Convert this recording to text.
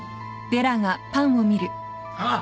あっ！